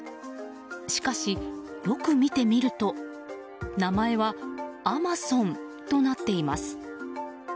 しかし、よく見てみると名前は「アマソン」となっています。